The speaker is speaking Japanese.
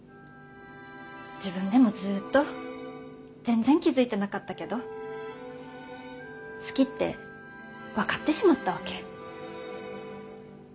自分でもずっと全然気付いてなかったけど好きって分かってしまったわけ。